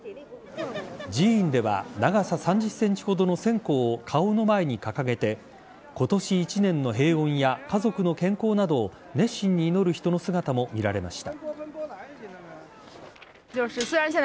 寺院では長さ３０ｃｍほどの線香を顔の前に掲げて今年１年の平穏や家族の健康などを熱心に祈る人の姿も見られました。